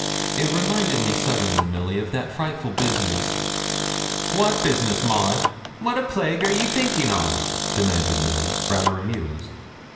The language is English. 'It reminded me suddenly, Milly, of that frightful business.' 'What business, Maud? what a plague are ye thinking on?' demanded Milly, rather amused.